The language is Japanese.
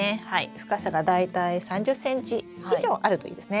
深さが大体３０ｃｍ以上あるといいですね。